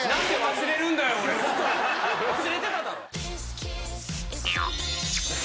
忘れてただろ！